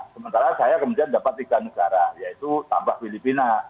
sementara saya kemudian dapat tiga negara yaitu tambah filipina